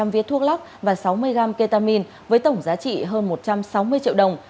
bảy trăm linh viết thuốc lắc và sáu mươi gram ketamine với tổng giá trị hơn một trăm sáu mươi triệu đồng